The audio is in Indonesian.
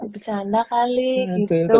bercanda kali gitu